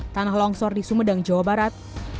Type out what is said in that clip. tanah longsor di sumedang jawa barat